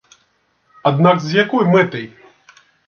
Аднак з якой мэтай?